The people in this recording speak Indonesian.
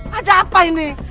hah ada apa ini